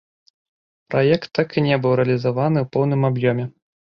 Праект так і не быў рэалізаваны ў поўным аб'ёме.